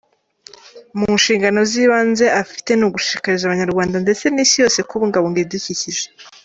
Mu nshingano z’ibanze afite ni ugushishikariza Abanyarwanda ndetse n’Isi yose kubungabunga ibidukikije.